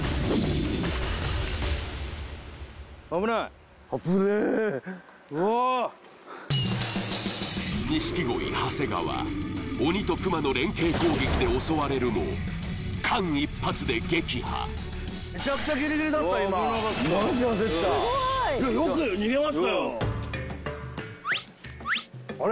危ない・うわー錦鯉長谷川鬼とクマの連携攻撃で襲われるも間一髪で撃破めちゃくちゃギリギリだった危なかったマジ焦ったすごーいよく逃げましたよあれ？